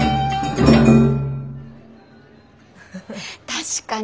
確かに。